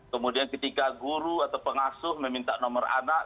kemudian ketika guru atau pengasuh meminta nomor anak